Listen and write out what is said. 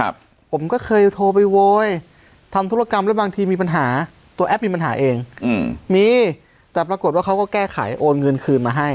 ผมก็เคยโทรไปโวยทำธุรกรรมแล้วบางทีมีปัญหาตัวแอปมีปัญหาเองอืมมีแต่ปรากฏว่าเขาก็แก้ไขโอนเงินคืนมาให้